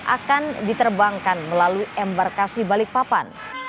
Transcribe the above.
akan diterbangkan melalui embarkasi balikpapan